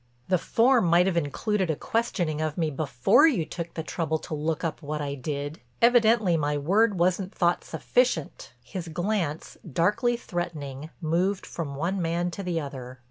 "The form might have included a questioning of me before you took the trouble to look up what I did. Evidently my word wasn't thought sufficient." His glance, darkly threatening, moved from one man to the other.